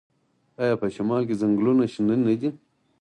آیا په شمال کې ځنګلونه شنه نه دي؟